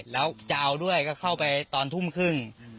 แล้วจะเอาด้วยก็เข้าไปตอนทุ่มครึ่ง